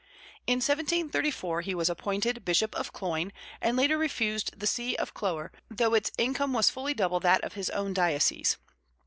In 1734 he was appointed bishop of Cloyne, and later refused the see of Clogher, though its income was fully double that of his own diocese.